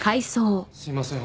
すいません。